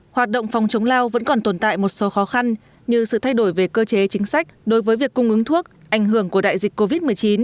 hoạt động phòng chống lao vẫn còn tồn tại một số khó khăn như sự thay đổi về cơ chế chính sách đối với việc cung ứng thuốc ảnh hưởng của đại dịch covid một mươi chín